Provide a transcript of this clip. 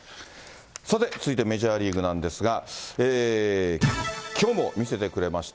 さて続いてメジャーリーグなんですが、きょうも見せてくれました。